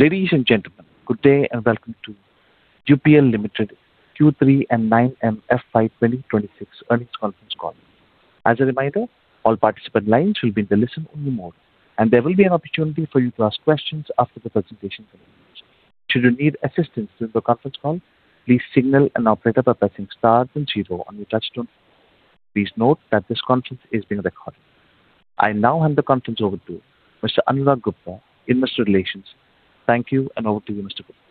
Ladies and gentlemen, good day, and welcome to UPL Limited Q3 and 9M FY 2026 earnings conference call. As a reminder, all participant lines will be in listen-only mode, and there will be an opportunity for you to ask questions after the presentation concludes. Should you need assistance during the conference call, please press star and zero on your touchtone. Please note that this conference is being recorded. I now hand the conference over to Mr. Anurag Gupta, Investor Relations. Thank you, and over to you, Mr. Gupta.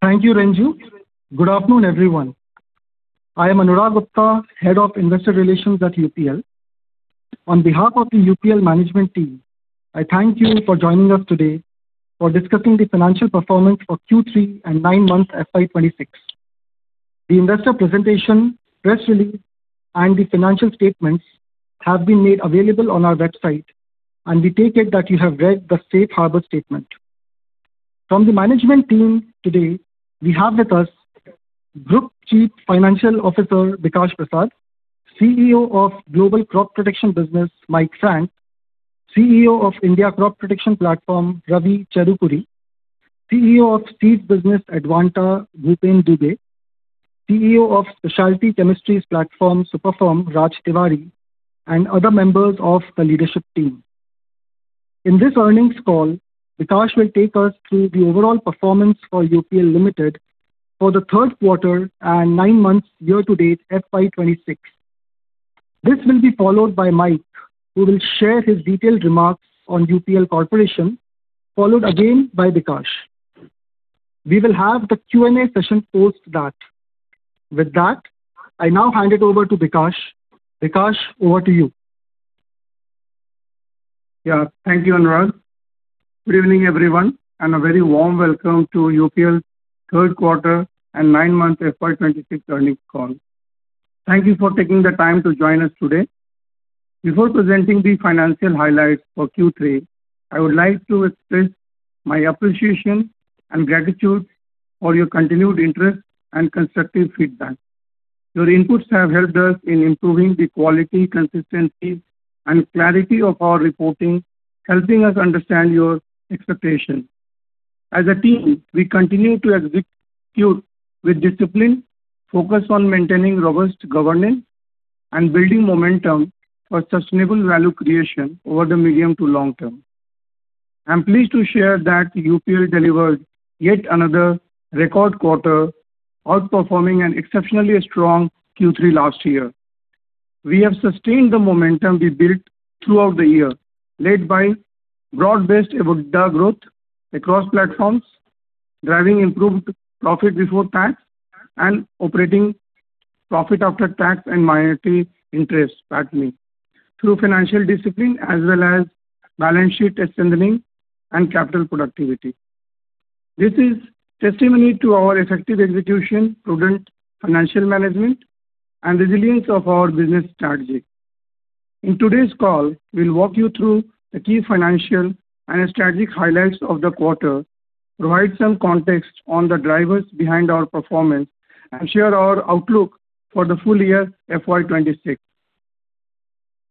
Thank you, Renju. Good afternoon, everyone. I am Anurag Gupta, Head of Investor Relations at UPL. On behalf of the UPL management team, I thank you for joining us today for discussing the financial performance for Q3 and nine months FY 2026. The investor presentation, press release, and the financial statements have been made available on our website, and we take it that you have read the Safe Harbor Statement. From the management team today, we have with us Group Chief Financial Officer Bikash Prasad, CEO of Global Crop Protection Business Mike Frank, CEO of India Crop Protection Platform Ravi Cherukuri, CEO of Seeds Business Advanta Bhupen Dubey, CEO of Specialty Chemistries Platform Superform Raj Tiwari, and other members of the leadership team. In this earnings call, Bikash will take us through the overall performance for UPL Limited for the third quarter and nine months year-to-date FY 2026. This will be followed by Mike, who will share his detailed remarks on UPL Corporation, followed again by Bikash. We will have the Q&A session post that. With that, I now hand it over to Bikash. Bikash, over to you. Yeah, thank you, Anurag. Good evening, everyone, and a very warm welcome to UPL's third quarter and nine months FY 2026 earnings call. Thank you for taking the time to join us today. Before presenting the financial highlights for Q3, I would like to express my appreciation and gratitude for your continued interest and constructive feedback. Your inputs have helped us in improving the quality, consistency, and clarity of our reporting, helping us understand your expectations. As a team, we continue to execute with discipline, focus on maintaining robust governance, and building momentum for sustainable value creation over the medium to long term. I'm pleased to share that UPL delivered yet another record quarter, outperforming an exceptionally strong Q3 last year. We have sustained the momentum we built throughout the year, led by broad-based EBITDA growth across platforms, driving improved profit before tax, and operating profit after tax and minority interest through financial discipline as well as balance sheet extending and capital productivity. This is testimony to our effective execution, prudent financial management, and resilience of our business strategy. In today's call, we'll walk you through the key financial and strategic highlights of the quarter, provide some context on the drivers behind our performance, and share our outlook for the full year FY 2026.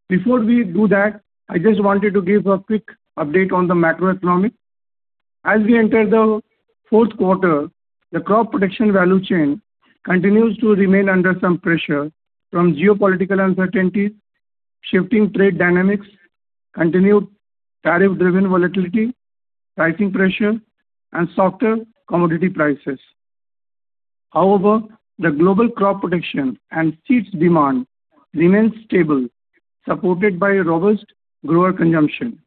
Before we do that, I just wanted to give a quick update on the macroeconomics. As we enter the fourth quarter, the crop production value chain continues to remain under some pressure from geopolitical uncertainties, shifting trade dynamics, continued tariff-driven volatility, pricing pressure, and softer commodity prices. However, the global crop production and seeds demand remains stable, supported by robust grower consumption.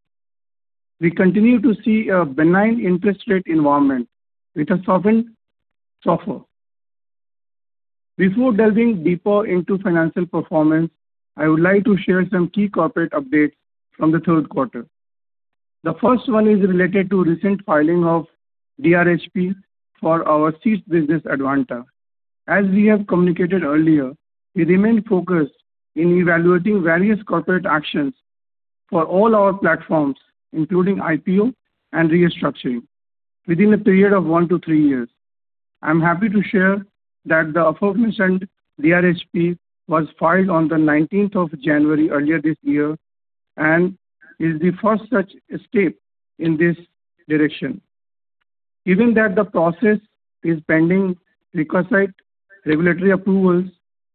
We continue to see a benign interest rate environment with a softened SOFR. Before delving deeper into financial performance, I would like to share some key corporate updates from the third quarter. The first one is related to recent filing of DRHP for our seeds business Advanta. As we have communicated earlier, we remain focused in evaluating various corporate actions for all our platforms, including IPO and restructuring, within a period of one to three years. I'm happy to share that the DRHP was filed on the 19th of January earlier this year and is the first such step in this direction. Given that the process is pending requisite regulatory approvals,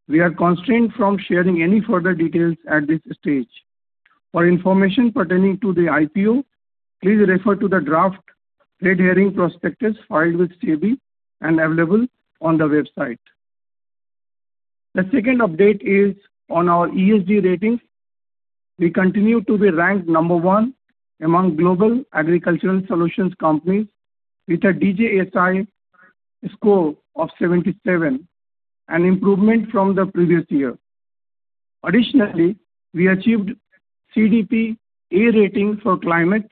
we are constrained from sharing any further details at this stage. For information pertaining to the IPO, please refer to the draft red herring prospectus filed with SEBI and available on the website. The second update is on our ESG ratings. We continue to be ranked number one among global agricultural solutions companies with a DJSI score of 77, an improvement from the previous year. Additionally, we achieved CDP A rating for climate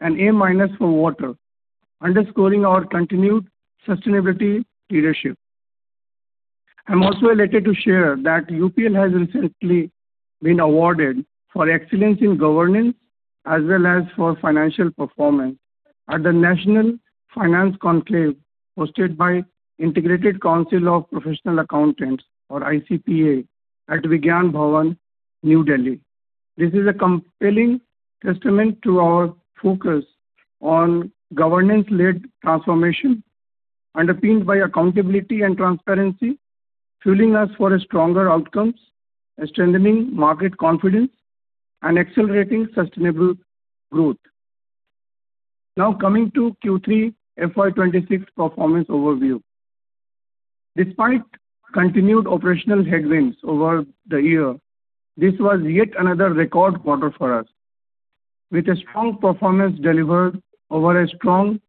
and A- for water, underscoring our continued sustainability leadership. I'm also delighted to share that UPL has recently been awarded for Excellence in Governance as well as for Financial Performance at the National Finance Conclave hosted by the Integrated Council of Professional Accountants (ICPA) at Vigyan Bhawan, New Delhi. This is a compelling testament to our focus on governance-led transformation, underpinned by accountability and transparency, fueling us for stronger outcomes, strengthening market confidence, and accelerating sustainable growth. Now, coming to Q3 FY 2026 performance overview. Despite continued operational headwinds over the year, this was yet another record quarter for us, with a strong performance delivered over a strong.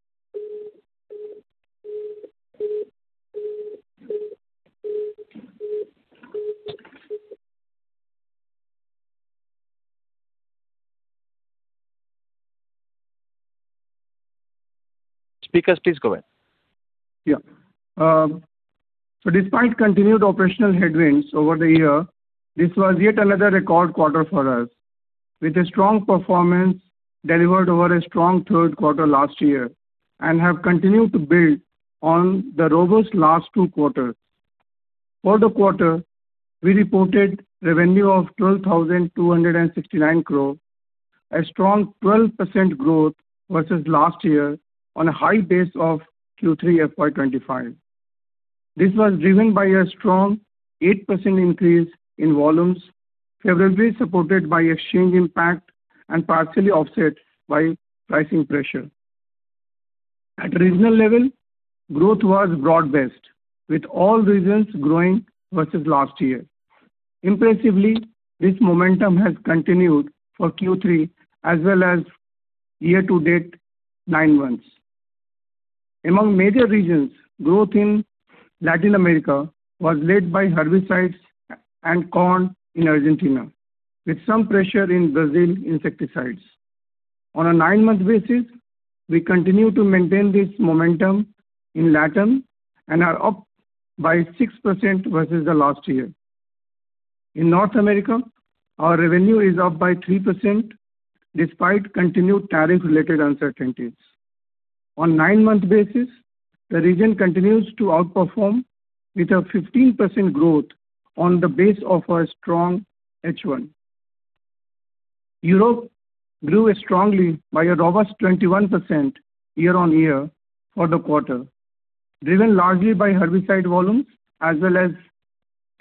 Speakers, please go ahead. Yeah. So, despite continued operational headwinds over the year, this was yet another record quarter for us, with a strong performance delivered over a strong third quarter last year and have continued to build on the robust last two quarters. For the quarter, we reported revenue of 12,269 crore, a strong 12% growth versus last year on a high base of Q3 FY 2025. This was driven by a strong 8% increase in volumes, favorably supported by exchange impact and partially offset by pricing pressure. At regional level, growth was broad-based, with all regions growing versus last year. Impressively, this momentum has continued for Q3 as well as year-to-date nine months. Among major regions, growth in Latin America was led by herbicides and corn in Argentina, with some pressure in Brazil insecticides. On a nine-month basis, we continue to maintain this momentum in Latin and are up by 6% versus last year. In North America, our revenue is up by 3% despite continued tariff-related uncertainties. On a nine-month basis, the region continues to outperform with a 15% growth on the base of a strong H1. Europe grew strongly by a robust 21% year-on-year for the quarter, driven largely by herbicide volumes as well as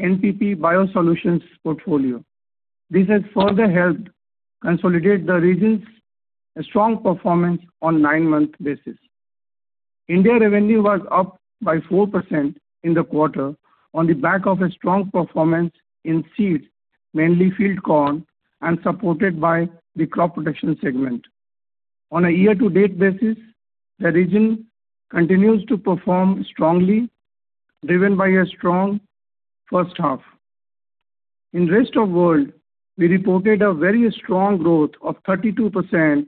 NPP BioSolutions portfolio. This has further helped consolidate the region's strong performance on a nine-month basis. India revenue was up by 4% in the quarter on the back of a strong performance in seeds, mainly field corn, and supported by the crop production segment. On a year-to-date basis, the region continues to perform strongly, driven by a strong first half. In the rest of the world, we reported a very strong growth of 32%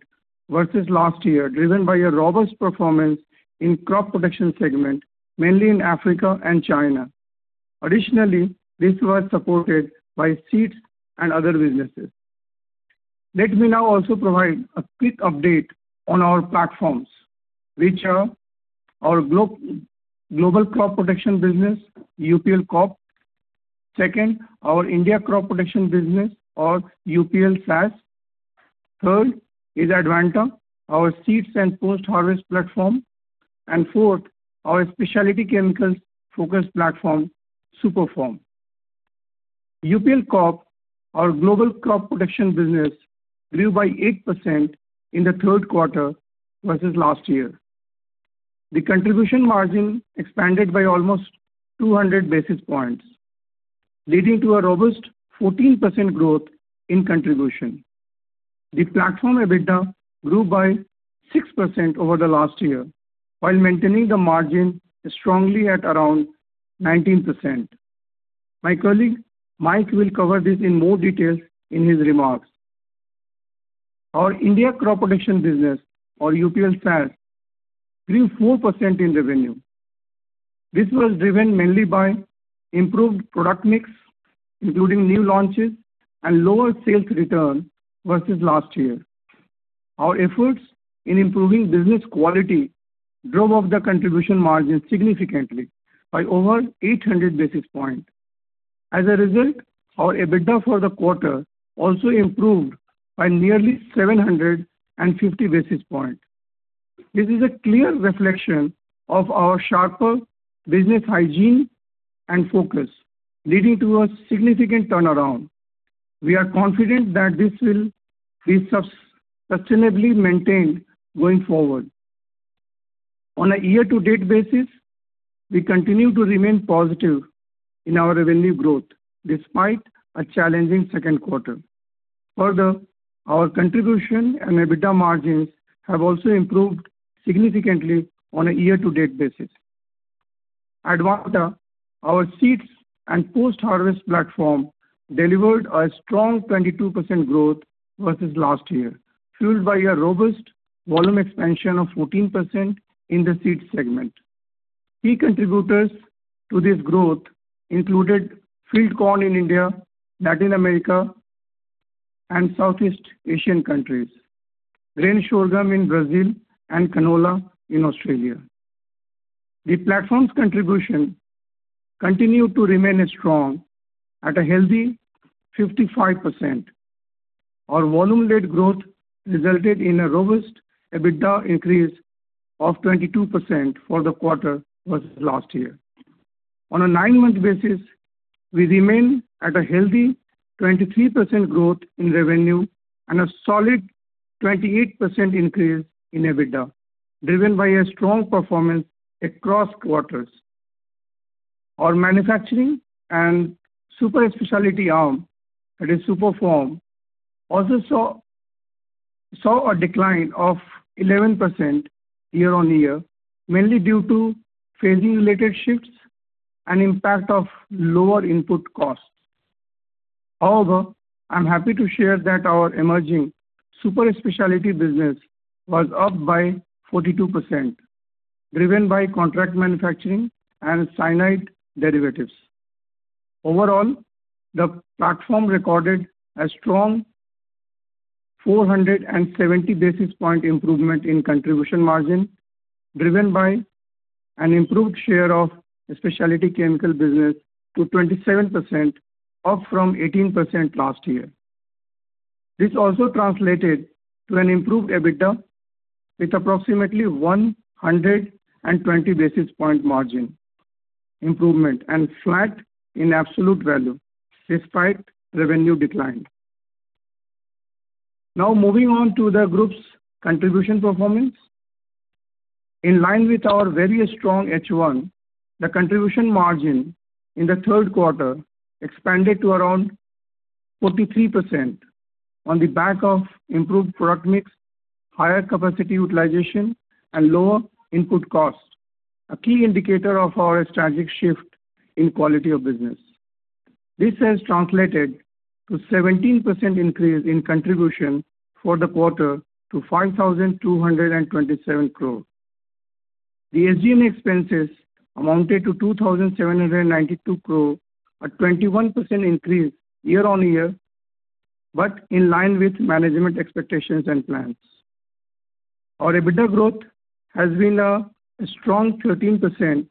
versus last year, driven by a robust performance in the crop protection segment, mainly in Africa and China. Additionally, this was supported by seeds and other businesses. Let me now also provide a quick update on our platforms, which are: our Global Crop Protection Business (UPL Corp), second, our India Crop Protection Business (or UPL SAS), third, Advanta (our seeds and post-harvest platform), and fourth, our Specialty Chemicals Focused Platform (Superform). UPL Corp, our Global Crop Protection Business, grew by 8% in the third quarter versus last year. The contribution margin expanded by almost 200 basis points, leading to a robust 14% growth in contribution. The platform EBITDA grew by 6% over the last year while maintaining the margin strongly at around 19%. My colleague, Mike, will cover this in more detail in his remarks. Our India Crop Protection Business (or UPL SAS) grew 4% in revenue. This was driven mainly by improved product mix, including new launches, and lower sales return versus last year. Our efforts in improving business quality drove up the contribution margin significantly by over 800 basis points. As a result, our EBITDA for the quarter also improved by nearly 750 basis points. This is a clear reflection of our sharper business hygiene and focus, leading to a significant turnaround. We are confident that this will be sustainably maintained going forward. On a year-to-date basis, we continue to remain positive in our revenue growth despite a challenging second quarter. Further, our contribution and EBITDA margins have also improved significantly on a year-to-date basis. Advanta, our seeds and post-harvest platform, delivered a strong 22% growth versus last year, fueled by a robust volume expansion of 14% in the seeds segment. Key contributors to this growth included field corn in India, Latin America, and Southeast Asian countries, grain sorghum in Brazil, and canola in Australia. The platform's contribution continued to remain strong at a healthy 55%. Our volume-led growth resulted in a robust EBITDA increase of 22% for the quarter versus last year. On a nine-month basis, we remain at a healthy 23% growth in revenue and a solid 28% increase in EBITDA, driven by a strong performance across quarters. Our manufacturing and super-specialty arm, that is, Superform, also saw a decline of 11% year-on-year, mainly due to phasing-related shifts and the impact of lower input costs. However, I'm happy to share that our emerging super-specialty business was up by 42%, driven by contract manufacturing and cyanide derivatives. Overall, the platform recorded a strong 470 basis point improvement in contribution margin, driven by an improved share of the specialty chemical business to 27%, up from 18% last year. This also translated to an improved EBITDA with approximately 120 basis point margin improvement and flat in absolute value despite revenue decline. Now, moving on to the group's contribution performance. In line with our very strong H1, the contribution margin in the third quarter expanded to around 43% on the back of improved product mix, higher capacity utilization, and lower input costs, a key indicator of our strategic shift in quality of business. This has translated to a 17% increase in contribution for the quarter to 5,227 crore. The SG&A expenses amounted to 2,792 crore, a 21% increase year-on-year but in line with management expectations and plans. Our EBITDA growth has been a strong 13%,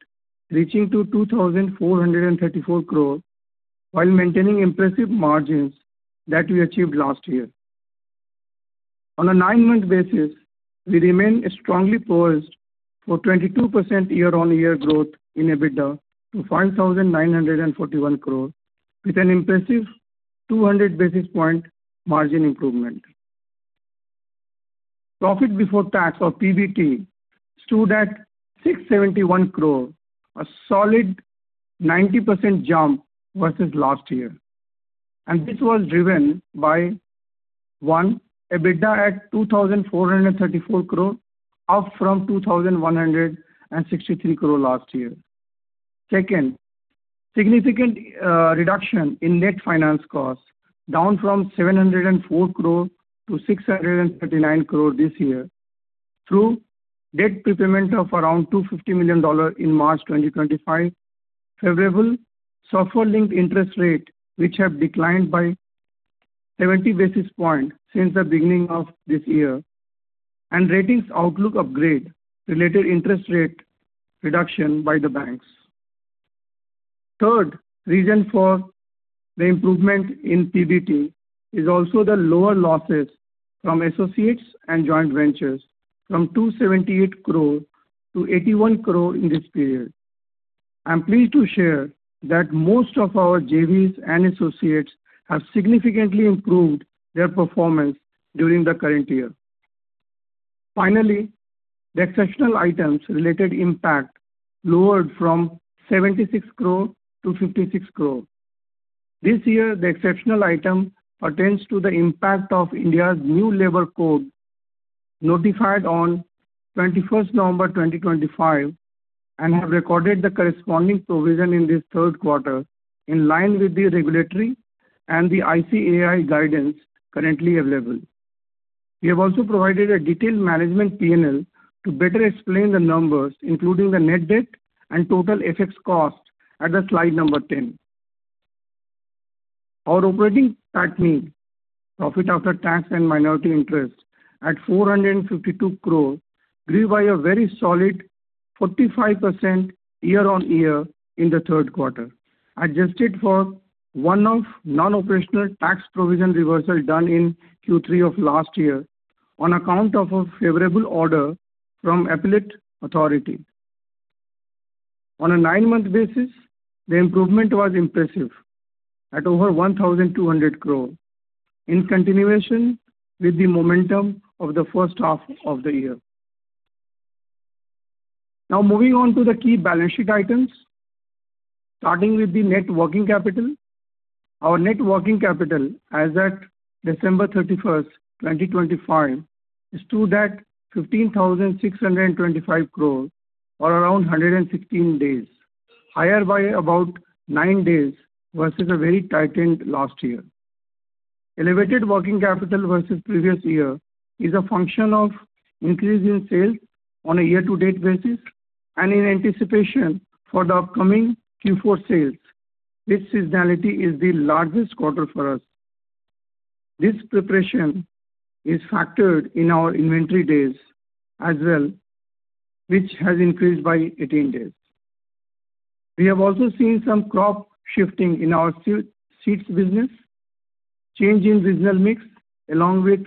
reaching to 2,434 crore while maintaining impressive margins that we achieved last year. On a nine-month basis, we remain strongly poised for 22% year-on-year growth in EBITDA to 5,941 crore, with an impressive 200 basis point margin improvement. Profit Before Tax (or PBT) stood at 671 crore, a solid 90% jump versus last year. This was driven by: One, EBITDA at 2,434 crore, up from 2,163 crore last year. Second, significant reduction in net finance costs, down from 704 crore to 639 crore this year through debt repayment of around $250 million in March 2025, favorable SOFR-linked interest rates which have declined by 70 basis points since the beginning of this year, and ratings outlook upgrade related interest rate reduction by the banks. Third, reason for the improvement in PBT is also the lower losses from associates and joint ventures from 278 crore to 81 crore in this period. I'm pleased to share that most of our JVs and associates have significantly improved their performance during the current year. Finally, the Exceptional Items related impact lowered from 76 crore to 56 crore. This year, the Exceptional Items pertains to the impact of India's new Labor Code notified on 21st November 2025 and have recorded the corresponding provision in this third quarter in line with the regulatory and the ICAI guidance currently available. We have also provided a detailed management P&L to better explain the numbers, including the net debt and total FX cost at slide number 10. Our PAT (Profit After Tax and Minority Interest) at 452 crore grew by a very solid 45% year-on-year in the third quarter, adjusted for one-off non-operational tax provision reversals done in Q3 of last year on account of a favorable order from appellate authority. On a nine-month basis, the improvement was impressive at over 1,200 crore, in continuation with the momentum of the first half of the year. Now, moving on to the key balance sheet items. Starting with the Net Working Capital. Our Net Working Capital, as at December 31st, 2025, stood at 15,625 crore for around 116 days, higher by about nine days versus a very tightened last year. Elevated working capital versus previous year is a function of an increase in sales on a year-to-date basis and in anticipation for the upcoming Q4 sales, which seasonality is the largest quarter for us. This preparation is factored in our inventory days as well, which has increased by 18 days. We have also seen some crop shifting in our seeds business, change in regional mix along with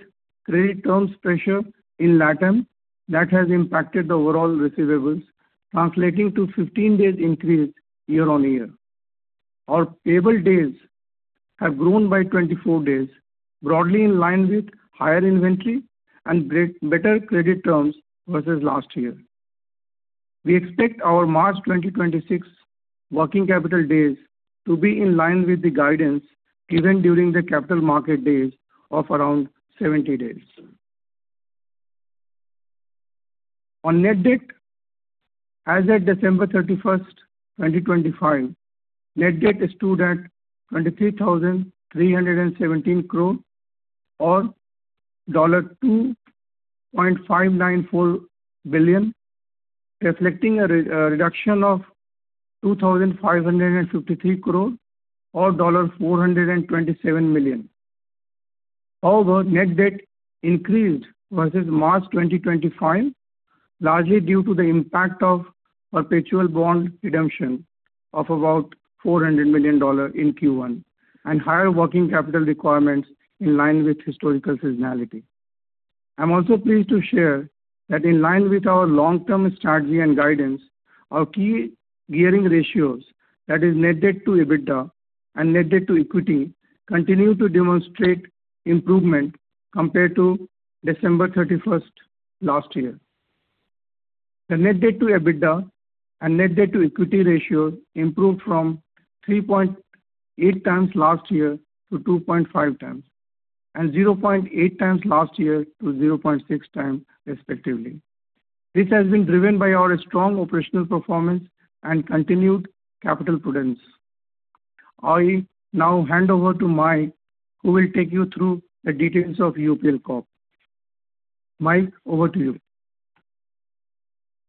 credit terms pressure in Latin America that has impacted the overall receivables, translating to a 15-day increase year-on-year. Our payable days have grown by 24 days, broadly in line with higher inventory and better credit terms versus last year. We expect our March 2026 Working Capital Days to be in line with the guidance given during the Capital Market Days of around 70 days. On Net Debt: As of December 31st, 2025, net debt stood at INR 23,317 crore or $2.594 billion, reflecting a reduction of 2,553 crore or $427 million. However, net debt increased versus March 2025, largely due to the impact of perpetual bond redemption of about $400 million in Q1 and higher working capital requirements in line with historical seasonality. I'm also pleased to share that in line with our long-term strategy and guidance, our key gearing ratios, that is, net debt to EBITDA and net debt to equity, continue to demonstrate improvement compared to December 31st last year. The net debt to EBITDA and net debt to equity ratio improved from 3.8x last year to 2.5x and 0.8x last year to 0.6x, respectively. This has been driven by our strong operational performance and continued capital prudence. I now hand over to Mike, who will take you through the details of UPL Corp. Mike, over to you.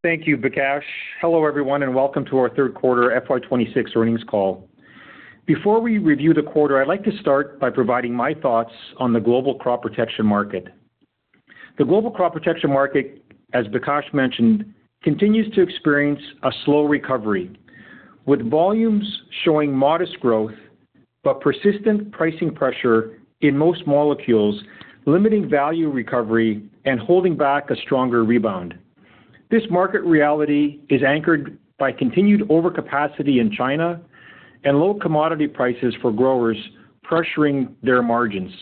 Thank you, Bikash. Hello, everyone, and welcome to our third quarter FY 2026 earnings call. Before we review the quarter, I'd like to start by providing my thoughts on the global crop protection market. The global crop protection market, as Bikash mentioned, continues to experience a slow recovery, with volumes showing modest growth but persistent pricing pressure in most molecules limiting value recovery and holding back a stronger rebound. This market reality is anchored by continued overcapacity in China and low commodity prices for growers pressuring their margins.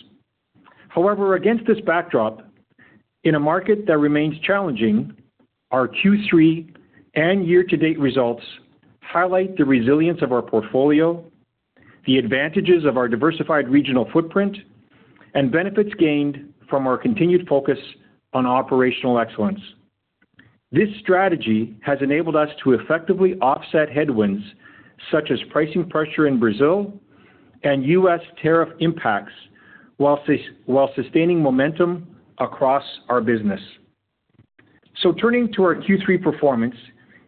However, against this backdrop, in a market that remains challenging, our Q3 and year-to-date results highlight the resilience of our portfolio, the advantages of our diversified regional footprint, and benefits gained from our continued focus on operational excellence. This strategy has enabled us to effectively offset headwinds such as pricing pressure in Brazil and U.S. tariff impacts while sustaining momentum across our business. So, turning to our Q3 performance: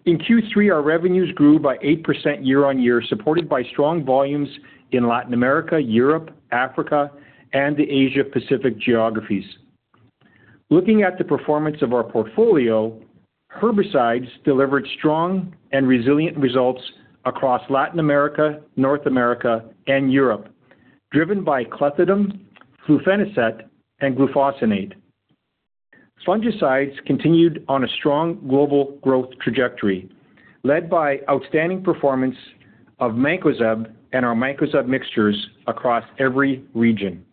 In Q3, our revenues grew by 8% year-on-year, supported by strong volumes in Latin America, Europe, Africa, and the Asia-Pacific geographies. Looking at the performance of our portfolio, herbicides delivered strong and resilient results across Latin America, North America, and Europe, driven by clethodim, flufenicet, and glufosinate. Fungicides continued on a strong global growth trajectory, led by outstanding performance of mancozeb and our mancozeb mixtures across every region.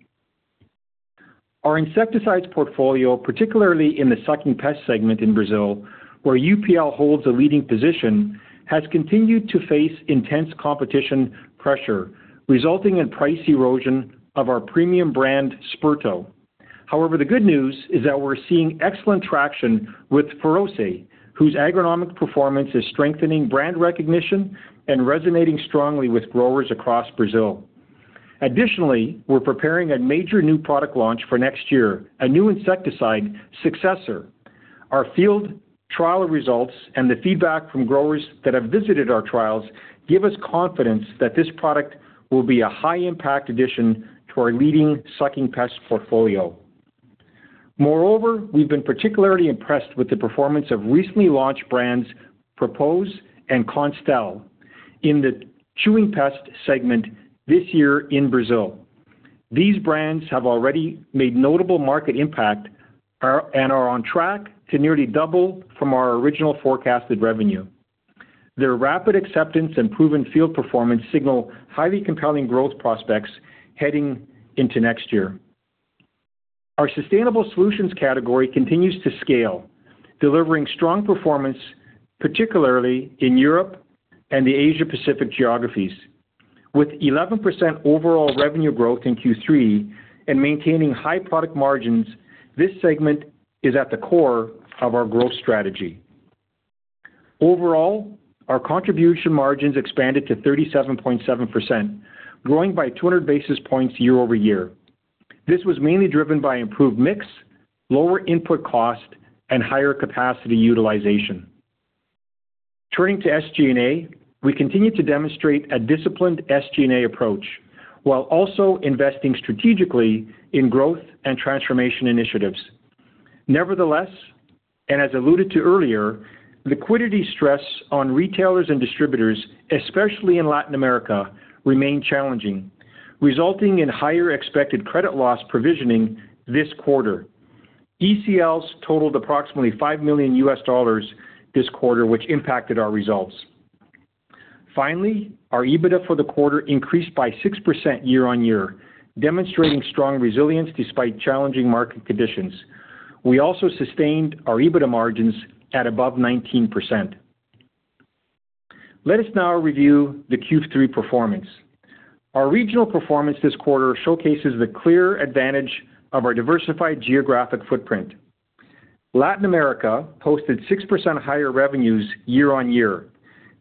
Our insecticides portfolio, particularly in the sucking pest segment in Brazil, where UPL holds a leading position, has continued to face intense competition pressure, resulting in price erosion of our premium brand Sperto. However, the good news is that we're seeing excellent traction with Feroce, whose agronomic performance is strengthening brand recognition and resonating strongly with growers across Brazil. Additionally, we're preparing a major new product launch for next year, a new insecticide successor. Our field trial results and the feedback from growers that have visited our trials give us confidence that this product will be a high-impact addition to our leading sucking pest portfolio. Moreover, we've been particularly impressed with the performance of recently launched brands [Propose and Constell] in the chewing pest segment this year in Brazil. These brands have already made notable market impact and are on track to nearly double from our original forecasted revenue. Their rapid acceptance and proven field performance signal highly compelling growth prospects heading into next year. Our Sustainable Solutions category continues to scale, delivering strong performance, particularly in Europe and the Asia-Pacific geographies. With 11% overall revenue growth in Q3 and maintaining high product margins, this segment is at the core of our growth strategy. Overall, our contribution margins expanded to 37.7%, growing by 200 basis points year-over-year. This was mainly driven by improved mix, lower input cost, and higher capacity utilization. Turning to SG&A: We continue to demonstrate a disciplined SG&A approach while also investing strategically in growth and transformation initiatives. Nevertheless, and as alluded to earlier, liquidity stress on retailers and distributors, especially in Latin America, remains challenging, resulting in higher expected credit loss provisioning this quarter. ECLs totaled approximately $5 million this quarter, which impacted our results. Finally, our EBITDA for the quarter increased by 6% year-on-year, demonstrating strong resilience despite challenging market conditions. We also sustained our EBITDA margins at above 19%. Let us now review the Q3 performance. Our regional performance this quarter showcases the clear advantage of our diversified geographic footprint. Latin America posted 6% higher revenues year-on-year.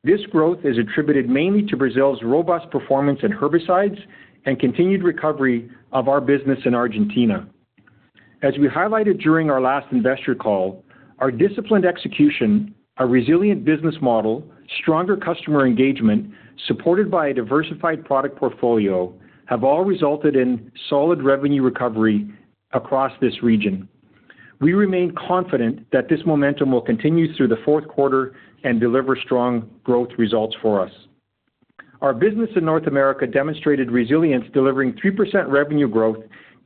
This growth is attributed mainly to Brazil's robust performance in herbicides and continued recovery of our business in Argentina. As we highlighted during our last investor call, our disciplined execution, a resilient business model, stronger customer engagement supported by a diversified product portfolio have all resulted in solid revenue recovery across this region. We remain confident that this momentum will continue through the fourth quarter and deliver strong growth results for us. Our business in North America demonstrated resilience, delivering 3% revenue growth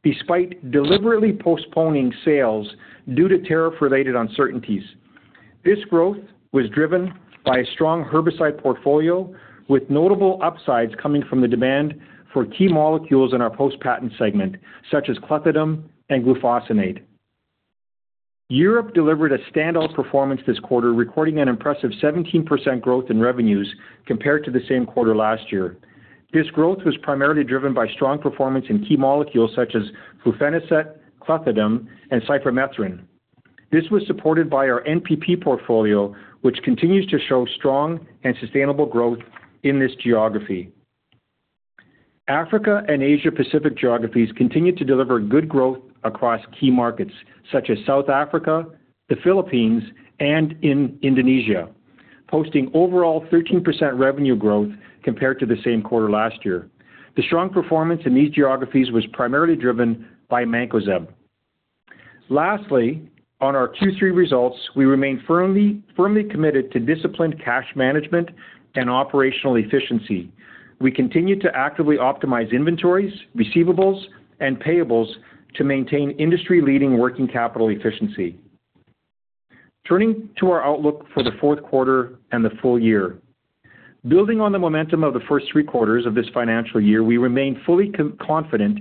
despite deliberately postponing sales due to tariff-related uncertainties. This growth was driven by a strong herbicide portfolio, with notable upsides coming from the demand for key molecules in our post-patent segment, such as clethodim and glufosinate. Europe delivered a standout performance this quarter, recording an impressive 17% growth in revenues compared to the same quarter last year. This growth was primarily driven by strong performance in key molecules such as flufenicet, clethodim, and cypermethrin. This was supported by our NPP portfolio, which continues to show strong and sustainable growth in this geography. Africa and Asia-Pacific geographies continue to deliver good growth across key markets such as South Africa, the Philippines, and Indonesia, posting overall 13% revenue growth compared to the same quarter last year. The strong performance in these geographies was primarily driven by mancozeb. Lastly, on our Q3 results, we remain firmly committed to disciplined cash management and operational efficiency. We continue to actively optimize inventories, receivables, and payables to maintain industry-leading working capital efficiency. Turning to our outlook for the fourth quarter and the full year: Building on the momentum of the first three quarters of this financial year, we remain fully confident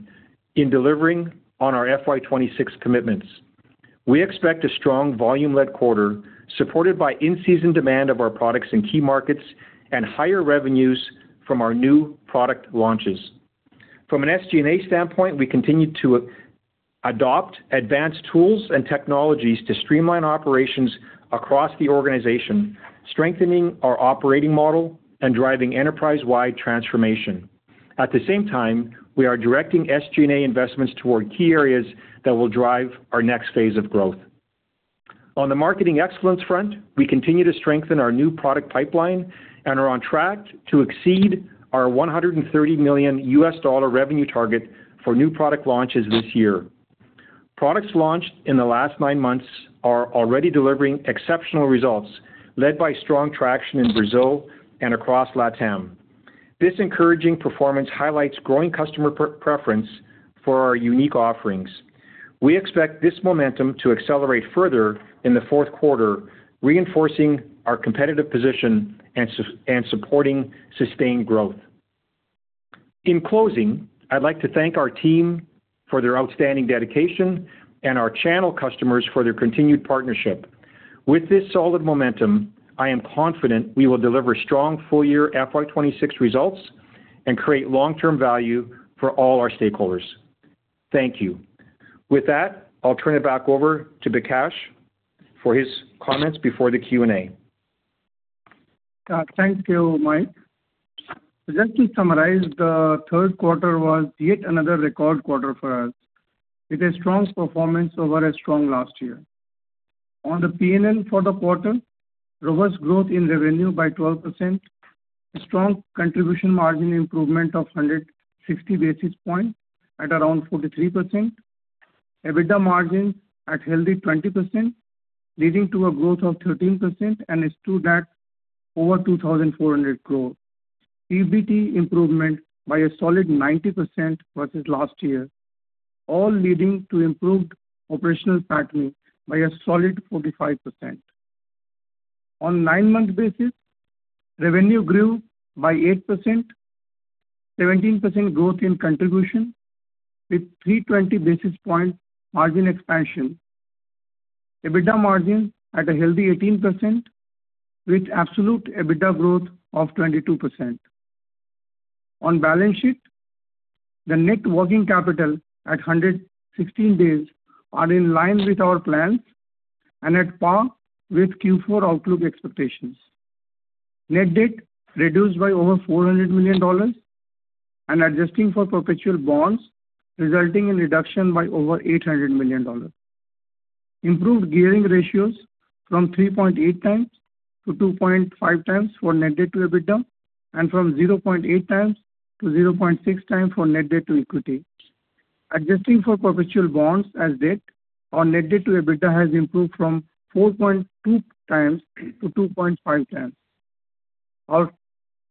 in delivering on our FY 2026 commitments. We expect a strong volume-led quarter, supported by in-season demand of our products in key markets and higher revenues from our new product launches. From an SG&A standpoint, we continue to adopt advanced tools and technologies to streamline operations across the organization, strengthening our operating model and driving enterprise-wide transformation. At the same time, we are directing SG&A investments toward key areas that will drive our next phase of growth. On the marketing excellence front, we continue to strengthen our new product pipeline and are on track to exceed our $130 million revenue target for new product launches this year. Products launched in the last nine months are already delivering exceptional results, led by strong traction in Brazil and across Latin. This encouraging performance highlights growing customer preference for our unique offerings. We expect this momentum to accelerate further in the fourth quarter, reinforcing our competitive position and supporting sustained growth. In closing, I'd like to thank our team for their outstanding dedication and our channel customers for their continued partnership. With this solid momentum, I am confident we will deliver strong full-year FY 2026 results and create long-term value for all our stakeholders. Thank you. With that, I'll turn it back over to Bikash for his comments before the Q&A. Thank you, Mike. Just to summarize, the third quarter was yet another record quarter for us, with a strong performance over a strong last year. On the P&L for the quarter: Revenue growth in revenue by 12%, strong contribution margin improvement of 160 basis points at around 43%, EBITDA margin at a healthy 20%, leading to a growth of 13% and stood at over 2,400 crore. EBIT improvement by a solid 90% versus last year, all leading to improved PAT by a solid 45%. On nine-month basis: Revenue grew by 8%, 17% growth in contribution, with 320 basis points margin expansion. EBITDA margin at a healthy 18%, with absolute EBITDA growth of 22%. On balance sheet: The net working capital at 116 days is in line with our plans and at par with Q4 outlook expectations. Net debt reduced by over $400 million and, adjusting for perpetual bonds, resulting in reduction by over $800 million. Improved gearing ratios from 3.8x to 2.5x for net debt to EBITDA and from 0.8x to 0.6x for net debt to equity. Adjusting for perpetual bonds as debt, our net debt to EBITDA has improved from 4.2x to 2.5x. Our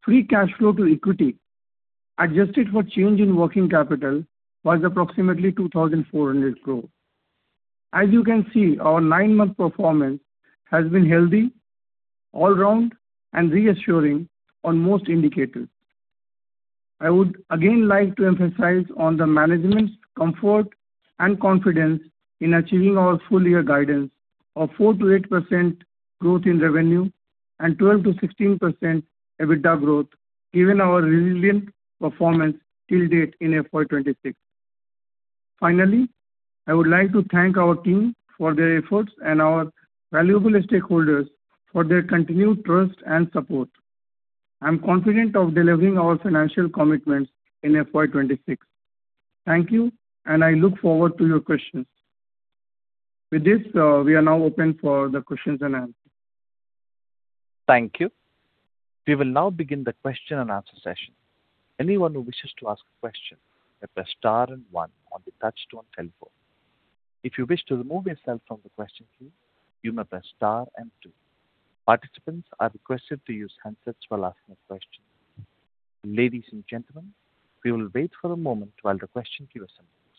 free cash flow to equity, adjusted for change in working capital, was approximately 2,400 crore. As you can see, our nine-month performance has been healthy, all-round, and reassuring on most indicators. I would again like to emphasize the management's comfort and confidence in achieving our full-year guidance of 4%-8% growth in revenue and 12%-16% EBITDA growth, given our resilient performance till date in FY 2026. Finally, I would like to thank our team for their efforts and our valuable stakeholders for their continued trust and support. I am confident in delivering our financial commitments in FY 2026. Thank you, and I look forward to your questions. With this, we are now open for the questions and answers. Thank you. We will now begin the question-and-answer session. Anyone who wishes to ask a question may press star and one on the touch-tone telephone. If you wish to remove yourself from the question queue, you may press star and two. Participants are requested to use handsets while asking a question. Ladies and gentlemen, we will wait for a moment while the question queue assembles.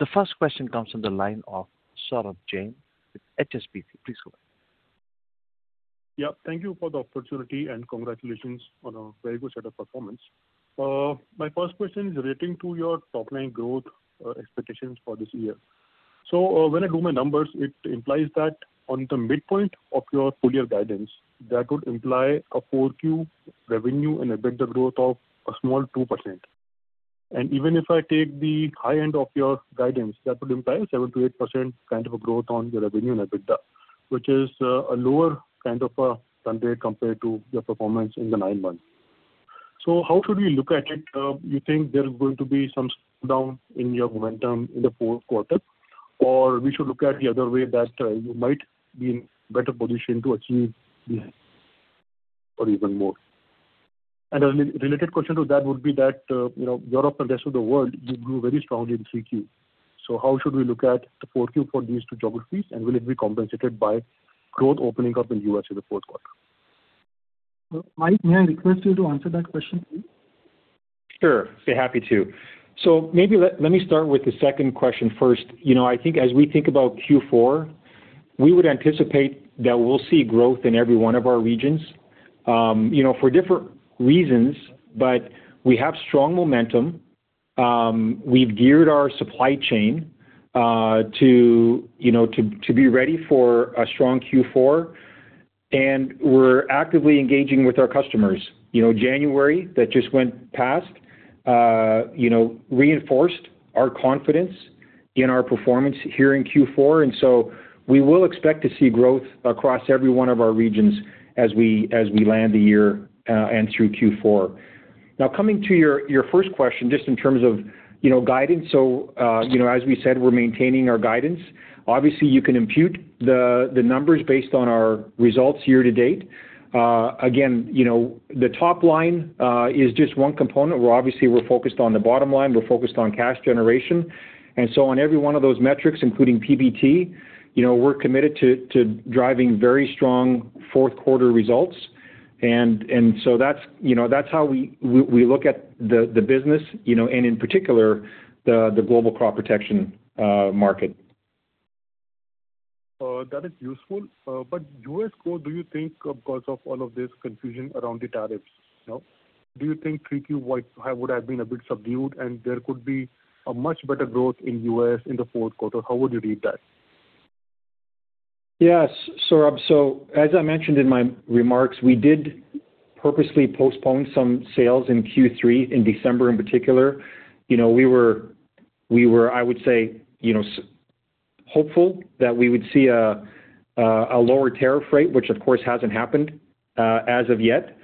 The first question comes from the line of Saurabh Jain, with HSBC. Please go ahead. Yeah, thank you for the opportunity and congratulations on a very good set of performance. My first question is relating to your top-line growth expectations for this year. So, when I do my numbers, it implies that on the midpoint of your full-year guidance, that would imply a 4Q revenue and EBITDA growth of a small 2%. And even if I take the high end of your guidance, that would imply a 7%-8% kind of a growth on your revenue and EBITDA, which is a lower kind of a run rate compared to your performance in the nine months. So, how should we look at it? Do you think there's going to be some slowdown in your momentum in the fourth quarter, or should we look at it the other way, that you might be in a better position to achieve this or even more? And a related question to that would be that Europe and the rest of the world, you grew very strongly in 3Q. So, how should we look at the 4Q for these two geographies, and will it be compensated by growth opening up in the U.S. in the fourth quarter? Mike, may I request you to answer that question, please? Sure. Be happy to. So, maybe let me start with the second question first. I think as we think about Q4, we would anticipate that we'll see growth in every one of our regions for different reasons, but we have strong momentum. We've geared our supply chain to be ready for a strong Q4, and we're actively engaging with our customers. January that just went past reinforced our confidence in our performance here in Q4, and so we will expect to see growth across every one of our regions as we land the year and through Q4. Now, coming to your first question, just in terms of guidance, so as we said, we're maintaining our guidance. Obviously, you can impute the numbers based on our results year to date. Again, the top line is just one component. Obviously, we're focused on the bottom line. We're focused on cash generation. And so, on every one of those metrics, including PBT, we're committed to driving very strong fourth-quarter results. And so, that's how we look at the business, and in particular, the global crop protection market. That is useful. But U.S. growth, do you think because of all of this confusion around the tariffs? Do you think 3Q would have been a bit subdued, and there could be a much better growth in the U.S. in the fourth quarter? How would you read that? Yes, Saurabh. So, as I mentioned in my remarks, we did purposely postpone some sales in Q3, in December in particular. We were, I would say, hopeful that we would see a lower tariff rate, which, of course, hasn't happened as of yet.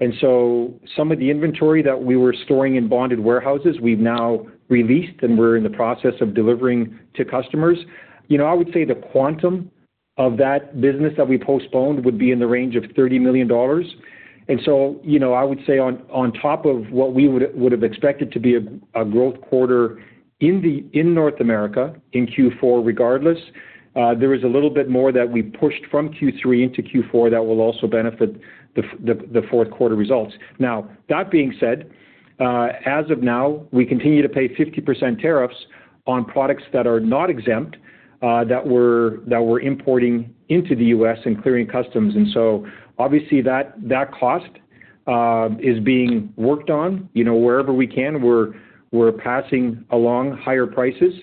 And so, some of the inventory that we were storing in bonded warehouses, we've now released, and we're in the process of delivering to customers. I would say the quantum of that business that we postponed would be in the range of $30 million. And so, I would say on top of what we would have expected to be a growth quarter in North America in Q4, regardless, there was a little bit more that we pushed from Q3 into Q4 that will also benefit the fourth-quarter results. Now, that being said, as of now, we continue to pay 50% tariffs on products that are not exempt that we're importing into the U.S. and clearing customs. And so, obviously, that cost is being worked on wherever we can. We're passing along higher prices.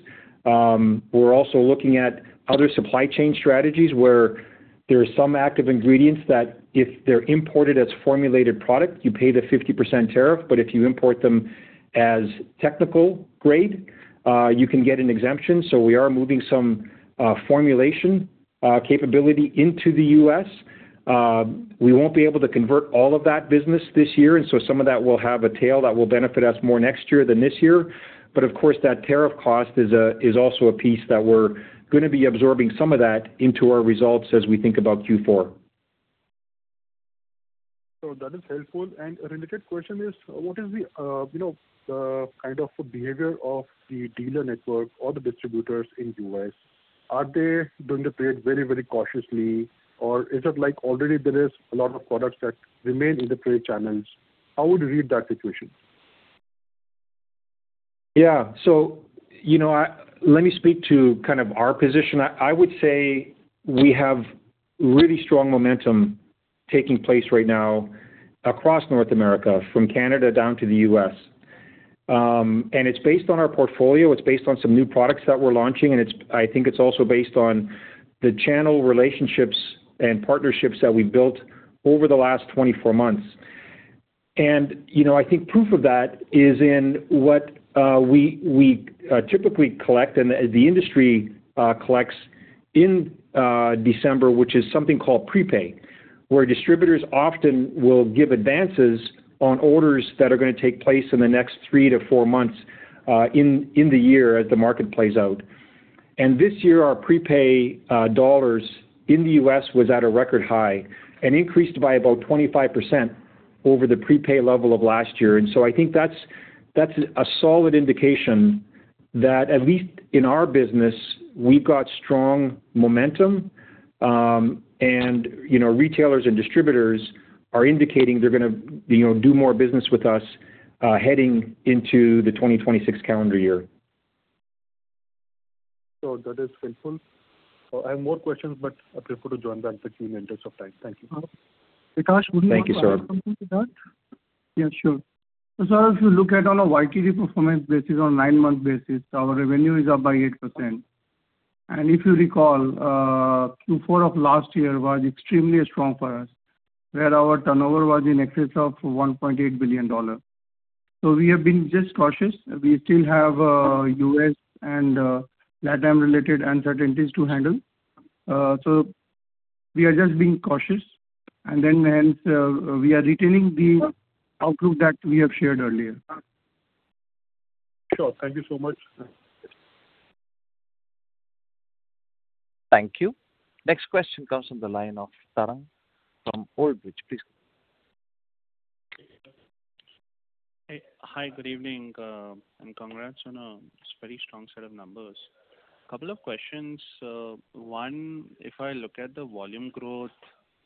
We're also looking at other supply chain strategies where there are some active ingredients that if they're imported as formulated product, you pay the 50% tariff, but if you import them as technical grade, you can get an exemption. So, we are moving some formulation capability into the U.S. We won't be able to convert all of that business this year, and so some of that will have a tail that will benefit us more next year than this year. Of course, that tariff cost is also a piece that we're going to be absorbing some of that into our results as we think about Q4. That is helpful. A related question is, what is the kind of behavior of the dealer network or the distributors in the U.S.? Are they doing the trade very, very cautiously, or is it like already there are a lot of products that remain in the trade channels? How would you read that situation? Yeah. So, let me speak to kind of our position. I would say we have really strong momentum taking place right now across North America from Canada down to the U.S. And it's based on our portfolio. It's based on some new products that we're launching, and I think it's also based on the channel relationships and partnerships that we've built over the last 24 months. And I think proof of that is in what we typically collect and the industry collects in December, which is something called prepay, where distributors often will give advances on orders that are going to take place in the next three to four months in the year as the market plays out. And this year, our prepay dollars in the U.S. were at a record high and increased by about 25% over the prepay level of last year. And so, I think that's a solid indication that, at least in our business, we've got strong momentum, and retailers and distributors are indicating they're going to do more business with us heading into the 2026 calendar year. That is helpful. I have more questions, but I prefer to join that in the interest of time. Thank you. Bikash, would you like to add something to that? Yeah, sure. Saurabh, if you look at our YTD performance basis on a nine-month basis, our revenue is up by 8%. And if you recall, Q4 of last year was extremely strong for us, where our turnover was in excess of $1.8 billion. So, we have been just cautious. We still have U.S. and Latin-related uncertainties to handle. So, we are just being cautious, and then, hence, we are retaining the outlook that we have shared earlier. Sure. Thank you so much. Thank you. Next question comes from the line of Tarang from Old Bridge. Please. Hi. Good evening. And congrats on a very strong set of numbers. A couple of questions. One, if I look at the volume growth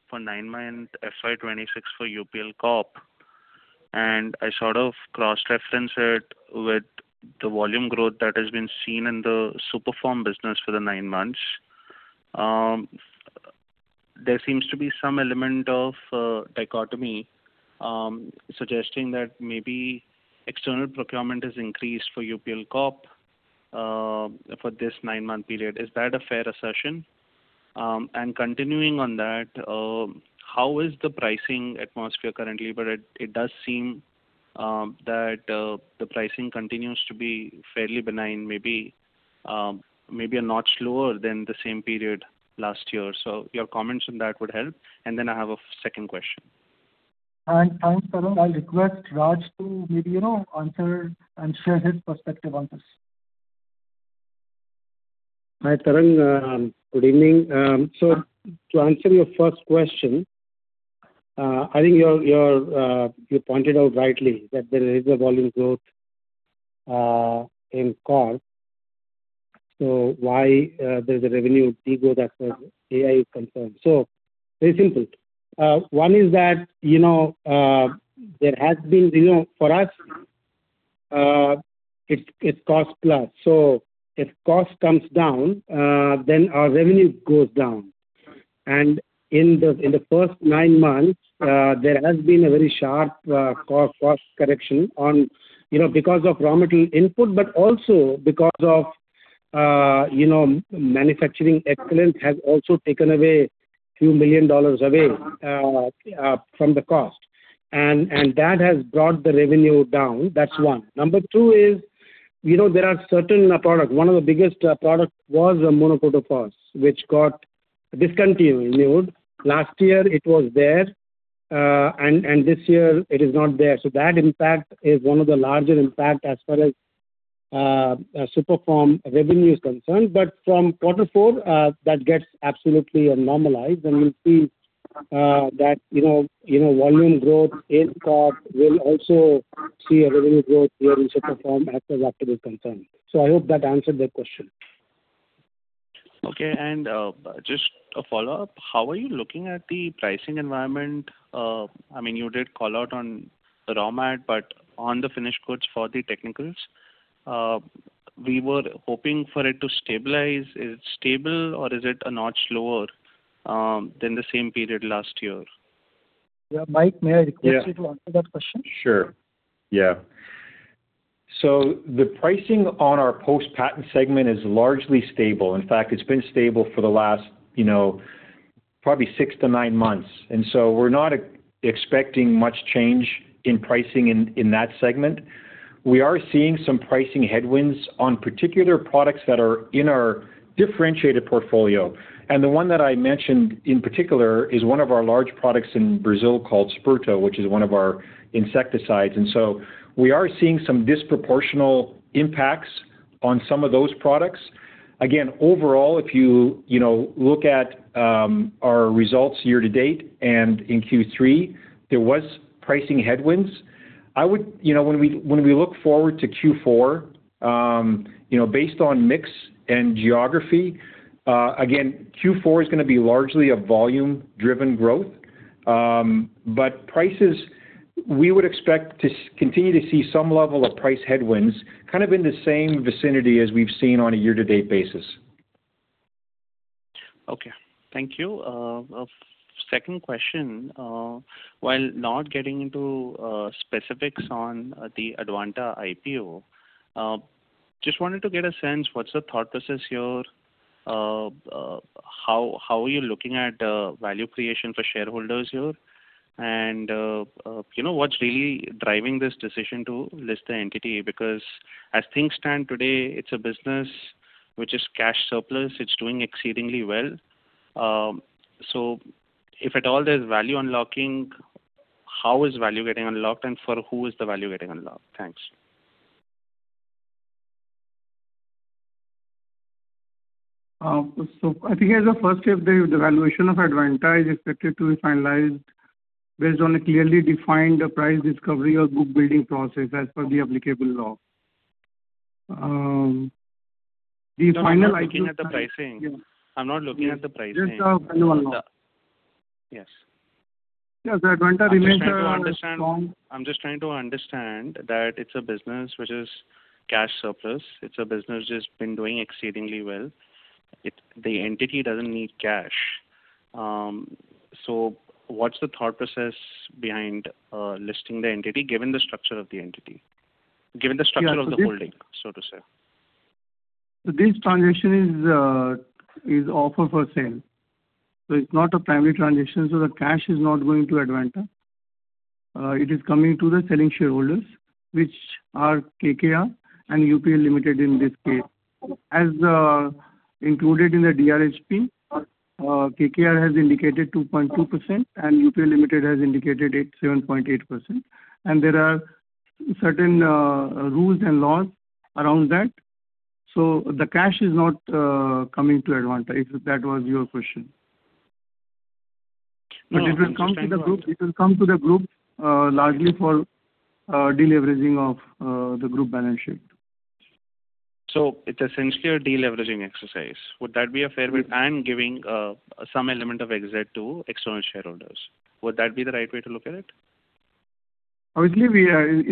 for nine-month FY 2026 for UPL Corp, and I sort of cross-reference it with the volume growth that has been seen in the Superform business for the nine months, there seems to be some element of dichotomy suggesting that maybe external procurement has increased for UPL Corp for this nine-month period. Is that a fair assertion? And continuing on that, how is the pricing atmosphere currently? But it does seem that the pricing continues to be fairly benign, maybe a notch lower than the same period last year. So, your comments on that would help. And then I have a second question. Thanks, Tarang. I'll request Raj to maybe answer and share his perspective on this. Hi, Tarang. Good evening. To answer your first question, I think you pointed out rightly that there is a volume growth in Corp. Why there's a revenue degrowth as far as India is concerned? Very simple. One is that there has been for us, it's cost-plus. If cost comes down, then our revenue goes down. In the first nine months, there has been a very sharp cost correction because of raw material input, but also because of manufacturing excellence has also taken away a few million dollars away from the cost. That has brought the revenue down. That's one. Number two is there are certain products. One of the biggest products was monocrotophos, which got discontinued. Last year, it was there, and this year, it is not there. So, that impact is one of the larger impacts as far as Superform revenue is concerned. But from quarter four, that gets absolutely normalized, and we'll see that volume growth in Corp will also see a revenue growth here in Superform as far as activity is concerned. So, I hope that answered the question. Okay. Just a follow-up, how are you looking at the pricing environment? I mean, you did call out on the raw mat, but on the finished goods for the technicals, we were hoping for it to stabilize. Is it stable, or is it a notch lower than the same period last year? Yeah, Mike, may I request you to answer that question? Sure. Yeah. So, the pricing on our post-patent segment is largely stable. In fact, it's been stable for the last probably six to nine months. And so, we're not expecting much change in pricing in that segment. We are seeing some pricing headwinds on particular products that are in our differentiated portfolio. And the one that I mentioned in particular is one of our large products in Brazil called Sperto, which is one of our insecticides. And so, we are seeing some disproportionate impacts on some of those products. Again, overall, if you look at our results year to date and in Q3, there were pricing headwinds. When we look forward to Q4, based on mix and geography, again, Q4 is going to be largely a volume-driven growth. Prices, we would expect to continue to see some level of price headwinds kind of in the same vicinity as we've seen on a year-to-date basis. Okay. Thank you. Second question, while not getting into specifics on the Advanta IPO, just wanted to get a sense, what's the thought process here? How are you looking at value creation for shareholders here? And what's really driving this decision to list the entity? Because as things stand today, it's a business which is cash surplus. It's doing exceedingly well. So, if at all there's value unlocking, how is value getting unlocked, and for who is the value getting unlocked? Thanks. I think as a first step, the valuation of Advanta is expected to be finalized based on a clearly defined price discovery or book-building process as per the applicable law. The final IPO. I'm not looking at the pricing. I'm not looking at the pricing. Just the value unlock. Yes. Yes, Advanta remains strong. I'm just trying to understand that it's a business which is cash surplus. It's a business which has been doing exceedingly well. The entity doesn't need cash. So, what's the thought process behind listing the entity given the structure of the entity? Given the structure of the holding, so to say. This transaction is offer for sale. It's not a primary transaction. The cash is not going to Advanta. It is coming to the selling shareholders, which are KKR and UPL Limited in this case. As included in the DRHP, KKR has indicated 2.2%, and UPL Limited has indicated 7.8%. There are certain rules and laws around that. The cash is not coming to Advanta, if that was your question. But it will come to the group. It will come to the group largely for deleveraging of the group balance sheet. It's essentially a deleveraging exercise. Would that be a fair way and giving some element of exit to external shareholders? Would that be the right way to look at it? Obviously,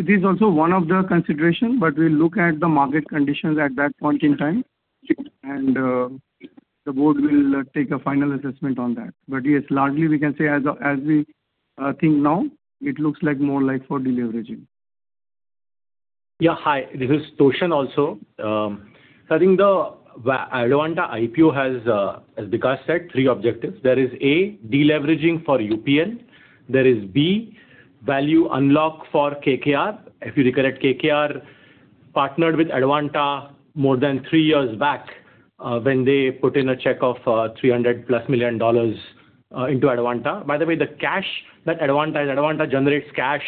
this is also one of the considerations, but we'll look at the market conditions at that point in time, and the board will take a final assessment on that. But yes, largely, we can say as we think now, it looks more like for deleveraging. Yeah. Hi. This is Toshan also. So, I think the Advanta IPO has, as Bikash said, three objectives. There is A, deleveraging for UPL. There is B, value unlock for KKR. If you recollect, KKR partnered with Advanta more than three years back when they put in a check of $300+ million into Advanta. By the way, the cash that Advanta is Advanta generates cash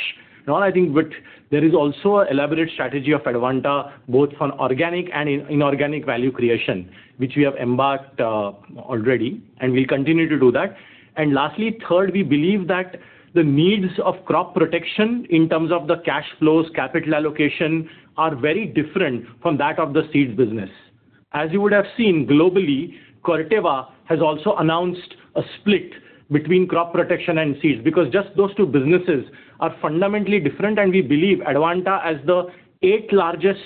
and all, I think, but there is also an elaborate strategy of Advanta both for organic and inorganic value creation, which we have embarked already, and we'll continue to do that. And lastly, third, we believe that the needs of crop protection in terms of the cash flows, capital allocation are very different from that of the seeds business. As you would have seen globally, Corteva has also announced a split between crop protection and seeds because just those two businesses are fundamentally different. We believe Advanta, as the eighth largest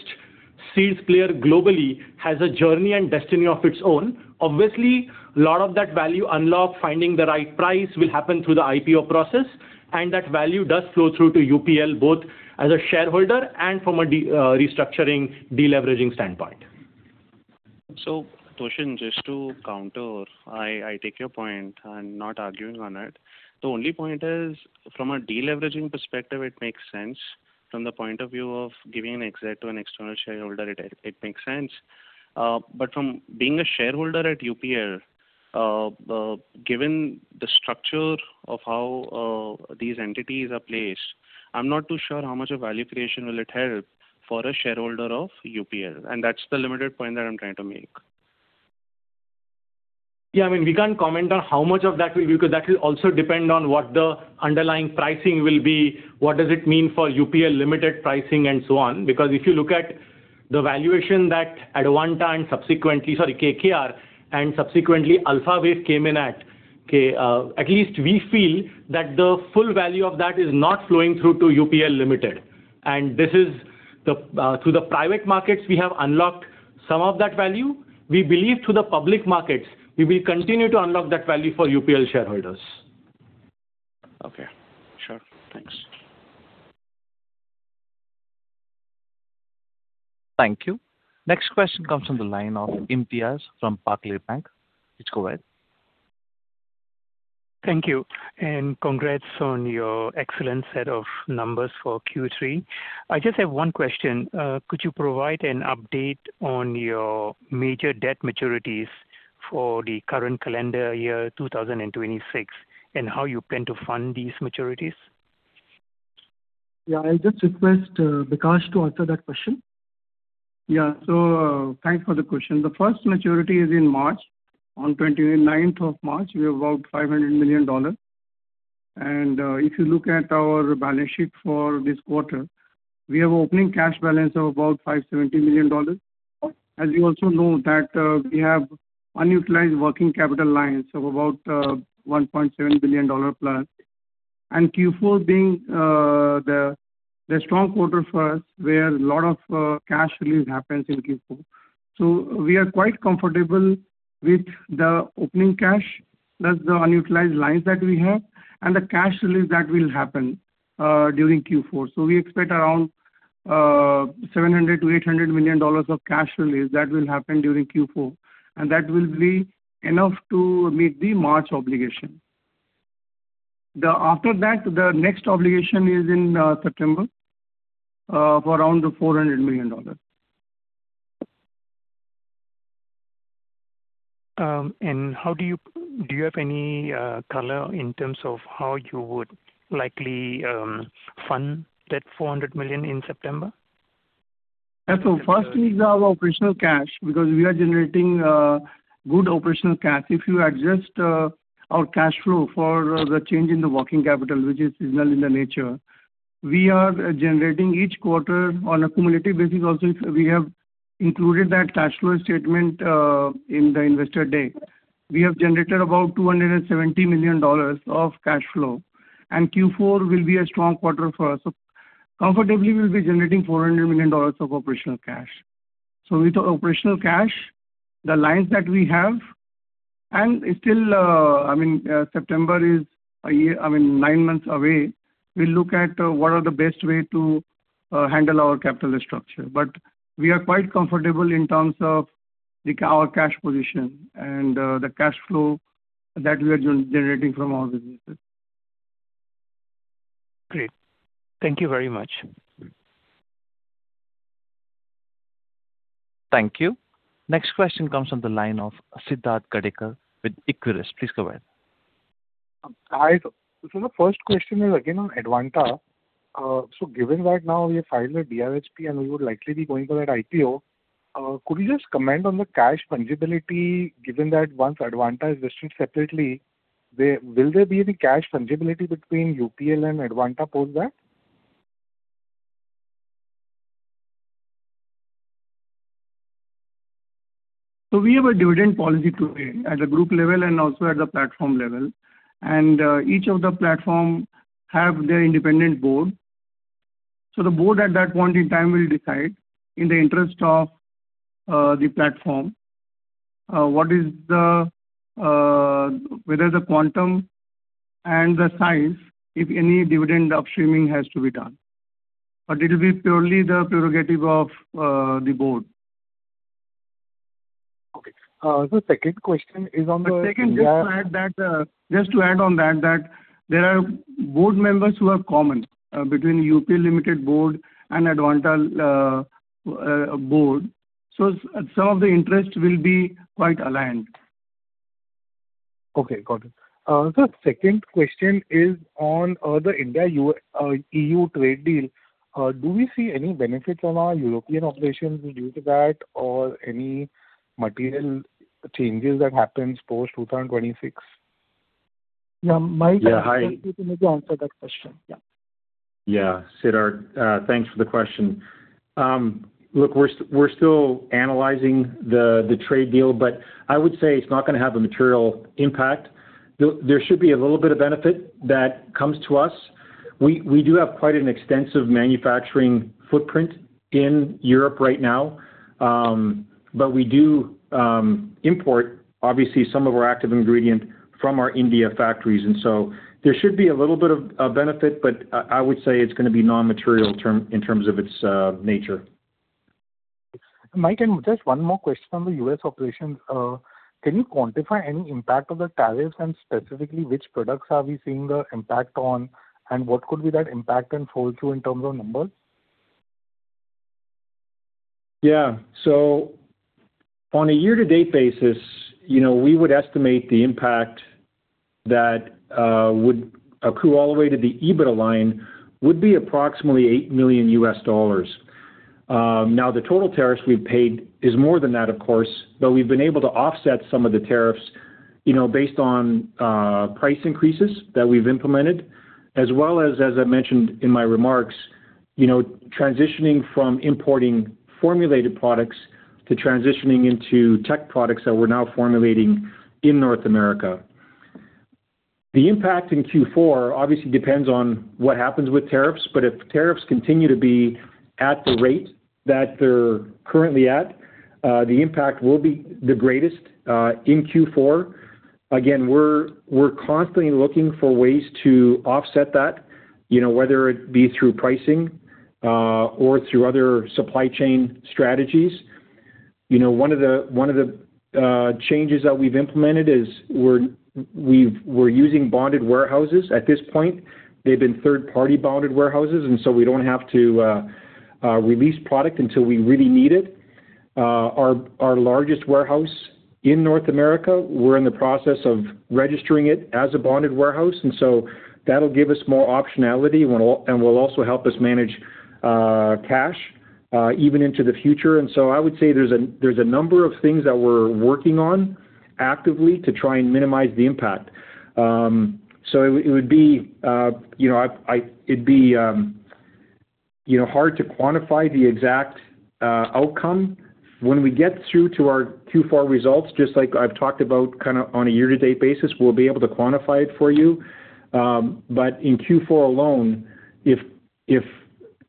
seeds player globally, has a journey and destiny of its own. Obviously, a lot of that value unlock, finding the right price, will happen through the IPO process, and that value does flow through to UPL both as a shareholder and from a restructuring, deleveraging standpoint. So, Toshan, just to counter, I take your point. I'm not arguing on it. The only point is, from a deleveraging perspective, it makes sense from the point of view of giving an exit to an external shareholder. It makes sense. But from being a shareholder at UPL, given the structure of how these entities are placed, I'm not too sure how much of value creation will it help for a shareholder of UPL. And that's the limited point that I'm trying to make. Yeah. I mean, we can't comment on how much of that will be because that will also depend on what the underlying pricing will be. What does it mean for UPL Limited pricing and so on? Because if you look at the valuation that Advanta and subsequently sorry, KKR and subsequently Alpha Wave came in at, at least we feel that the full value of that is not flowing through to UPL Limited. And through the private markets, we have unlocked some of that value. We believe through the public markets, we will continue to unlock that value for UPL shareholders. Okay. Sure. Thanks. Thank you. Next question comes from the line of Impias from Barclays. Please go ahead. Thank you. Congrats on your excellent set of numbers for Q3. I just have one question. Could you provide an update on your major debt maturities for the current calendar year, 2026, and how you plan to fund these maturities? Yeah. I'll just request Bikash to answer that question. Yeah. So, thanks for the question. The first maturity is in March. On 29th of March, we have about $500 million. And if you look at our balance sheet for this quarter, we have an opening cash balance of about $570 million. As you also know, we have unutilized working capital lines of about $1.7 billion plus. And Q4 being the strong quarter for us where a lot of cash release happens in Q4. So, we are quite comfortable with the opening cash plus the unutilized lines that we have and the cash release that will happen during Q4. So, we expect around $700 million-$800 million of cash release that will happen during Q4, and that will be enough to meet the March obligation. After that, the next obligation is in September for around $400 million. Do you have any color in terms of how you would likely fund that $400 million in September? Yeah. So, first, we have operational cash because we are generating good operational cash. If you adjust our cash flow for the change in the working capital, which is seasonal in nature, we are generating each quarter on a cumulative basis also. We have included that cash flow statement in the investor day. We have generated about $270 million of cash flow. And Q4 will be a strong quarter for us. So, comfortably, we'll be generating $400 million of operational cash. So, with the operational cash, the lines that we have and still, I mean, September is a year I mean, nine months away. We'll look at what are the best ways to handle our capital structure. But we are quite comfortable in terms of our cash position and the cash flow that we are generating from our businesses. Great. Thank you very much. Thank you. Next question comes from the line of Siddharth Kadekar with Equirus. Please go ahead. Hi. The first question is again on Advanta. Given that now we have filed a DRHP, and we would likely be going for that IPO, could you just comment on the cash fungibility? Given that once Advanta is listed separately, will there be any cash fungibility between UPL and Advanta post that? We have a dividend policy today at the group level and also at the platform level. Each of the platforms has their independent board. The board at that point in time will decide in the interest of the platform whether the quantum and the size, if any dividend upstreaming has to be done. It will be purely the prerogative of the board. Okay. The second question is on the. The second, just to add on that, there are board members who are common between the UPL Limited board and Advanta board. So, some of the interests will be quite aligned. Okay. Got it. So, the second question is on the India-EU trade deal. Do we see any benefits on our European operations due to that or any material changes that happen post-2026? Yeah. Mike, I think you need to answer that question. Yeah. Yeah, Siddharth, thanks for the question. Look, we're still analyzing the trade deal, but I would say it's not going to have a material impact. There should be a little bit of benefit that comes to us. We do have quite an extensive manufacturing footprint in Europe right now, but we do import, obviously, some of our active ingredients from our India factories. And so, there should be a little bit of benefit, but I would say it's going to be non-material in terms of its nature. Mike, just one more question on the U.S. operations. Can you quantify any impact of the tariffs and specifically which products are we seeing the impact on, and what could be that impact unfold through in terms of numbers? Yeah. So, on a year-to-date basis, we would estimate the impact that would occur all the way to the EBITDA line would be approximately $8 million. Now, the total tariffs we've paid is more than that, of course, but we've been able to offset some of the tariffs based on price increases that we've implemented, as well as, as I mentioned in my remarks, transitioning from importing formulated products to transitioning into tech products that we're now formulating in North America. The impact in Q4 obviously depends on what happens with tariffs, but if tariffs continue to be at the rate that they're currently at, the impact will be the greatest in Q4. Again, we're constantly looking for ways to offset that, whether it be through pricing or through other supply chain strategies. One of the changes that we've implemented is we're using bonded warehouses. At this point, they've been third-party bonded warehouses, and so we don't have to release product until we really need it. Our largest warehouse in North America, we're in the process of registering it as a bonded warehouse. And so, that'll give us more optionality, and will also help us manage cash even into the future. And so, I would say there's a number of things that we're working on actively to try and minimize the impact. So, it would be hard to quantify the exact outcome. When we get through to our Q4 results, just like I've talked about kind of on a year-to-date basis, we'll be able to quantify it for you. But in Q4 alone, if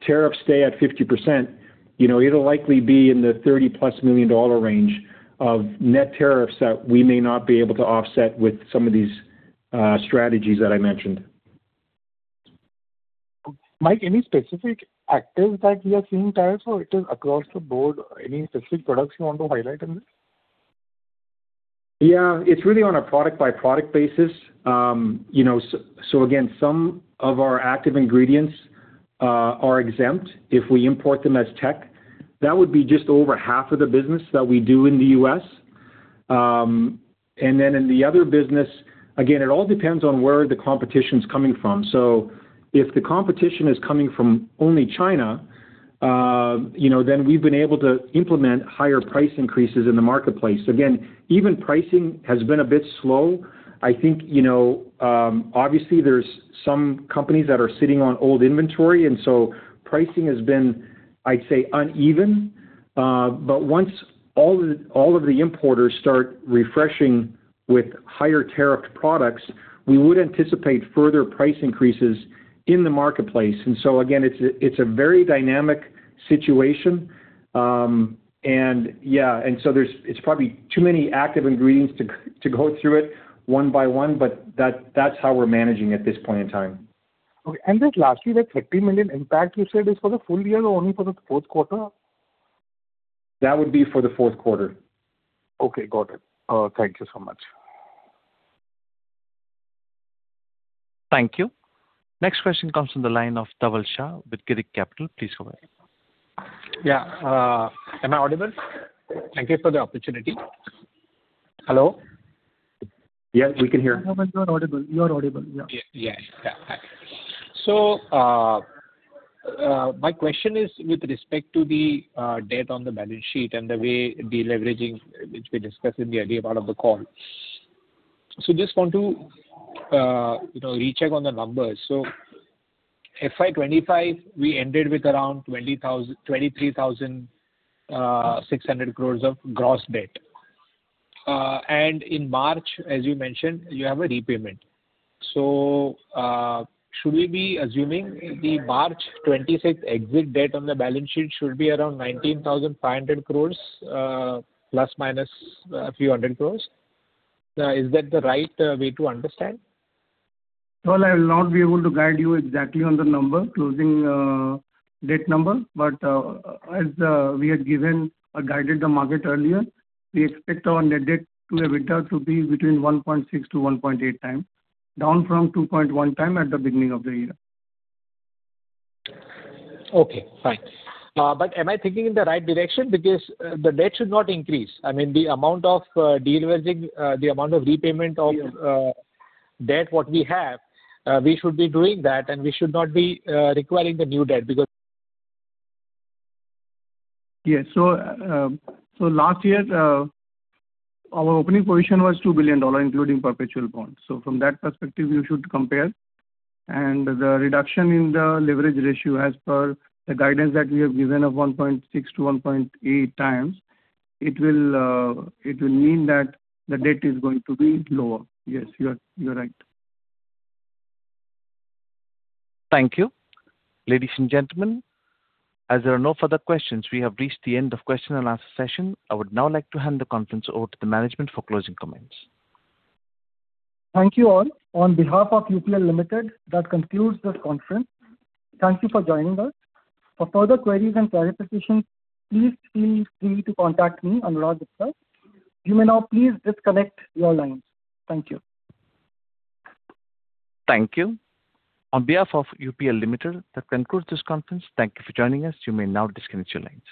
tariffs stay at 50%, it'll likely be in the $30+ million range of net tariffs that we may not be able to offset with some of these strategies that I mentioned. Mike, any specific actives that we are seeing tariffs for? Is it across the board? Any specific products you want to highlight in this? Yeah. It's really on a product-by-product basis. So again, some of our active ingredients are exempt if we import them as tech. That would be just over half of the business that we do in the U.S. And then in the other business, again, it all depends on where the competition's coming from. So, if the competition is coming from only China, then we've been able to implement higher price increases in the marketplace. Again, even pricing has been a bit slow. I think, obviously, there's some companies that are sitting on old inventory, and so pricing has been, I'd say, uneven. But once all of the importers start refreshing with higher tariffed products, we would anticipate further price increases in the marketplace. And so again, it's a very dynamic situation. Yeah, and so it's probably too many active ingredients to go through it one by one, but that's how we're managing at this point in time. Okay. Just lastly, that $50 million impact you said, is for the full year or only for the fourth quarter? That would be for the fourth quarter. Okay. Got it. Thank you so much. Thank you. Next question comes from the line of Dhaval Shah with Girik Capital. Please go ahead. Yeah. Am I audible? Thank you for the opportunity. Hello? Yes, we can hear. Hi. So, my question is with respect to the debt on the balance sheet and the way deleveraging, which we discussed in the earlier part of the call. So, just want to recheck on the numbers. So, FY 2025, we ended with around 23,600 crores of gross debt. And in March, as you mentioned, you have a repayment. So, should we be assuming the March 2026 exit debt on the balance sheet should be around 19,500 crores ± a few hundred crores? Is that the right way to understand? Well, I will not be able to guide you exactly on the number, closing debt number. But as we had given or guided the market earlier, we expect our net debt to have withdrawn to be between 1.6x-1.8x, down from 2.1x at the beginning of the year. Okay. Fine. But am I thinking in the right direction? Because the debt should not increase. I mean, the amount of deleveraging, the amount of repayment of debt what we have, we should be doing that, and we should not be requiring the new debt because. Yeah. So, last year, our opening position was $2 billion, including perpetual bonds. So, from that perspective, you should compare. And the reduction in the leverage ratio as per the guidance that we have given of 1.6x-1.8x, it will mean that the debt is going to be lower. Yes, you're right. Thank you, ladies and gentlemen. As there are no further questions, we have reached the end of question-and-answer session. I would now like to hand the conference over to the management for closing comments. Thank you all. On behalf of UPL Limited, that concludes this conference. Thank you for joining us. For further queries and clarifications, please feel free to contact me, Anurag Gupta. You may now please disconnect your lines. Thank you. Thank you. On behalf of UPL Limited, that concludes this conference. Thank you for joining us. You may now disconnect your lines.